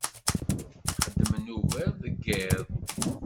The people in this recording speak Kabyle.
Xeddmen ugar deg yiḍ.